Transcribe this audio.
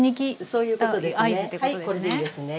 そういうことですね。